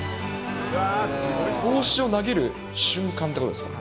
帽子を投げる瞬間っていうことですか？